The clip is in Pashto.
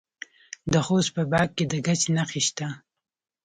د خوست په باک کې د ګچ نښې شته.